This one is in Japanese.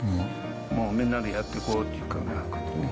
もう、みんなでやっていこうっていう感覚。